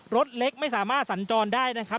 รถเล็กไม่สามารถสัญจรได้นะครับ